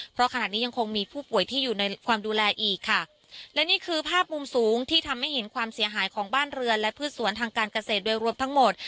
เพราะขณะนี้ยังคงมีผู้ป่วยที่อยู่ในความดูแลอีกค่ะและนี่คือภาพมุมสูงที่ทำให้เห็นความเสียหายของบ้านเรือนและพืชสวนทางการเกษตรโดยรวมทั้งหมด